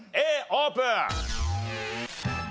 Ａオープン！